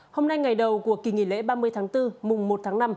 hôm nay ngày đầu của kỳ nghỉ lễ ba mươi tháng bốn mùng một tháng năm